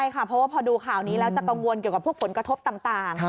ใช่ค่ะเพราะว่าพอดูข่าวนี้แล้วจะกังวลเกี่ยวกับพวกผลกระทบต่าง